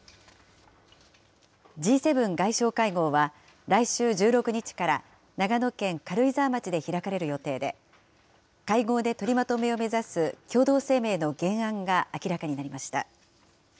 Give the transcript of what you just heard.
Ｇ７外相会合は、来週１６日から長野県軽井沢町で開かれる予定で、会合で取りまとめを目指す共同声明の原案が明らかになりました。